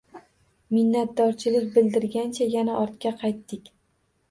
Minnatdorchilik bildirgancha yana ortga qaytdik.